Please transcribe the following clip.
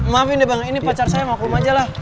maafin deh bang ini pacar saya mahkum aja lah